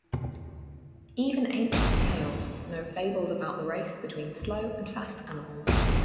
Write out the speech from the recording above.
Even ancient tales know fables about the race between slow and fast animals.